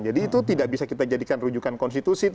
jadi itu tidak bisa kita jadikan rujukan konstitusi